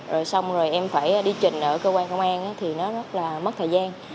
rồi em phải đi trình ở cơ quan công an thì nó rất là mất thời gian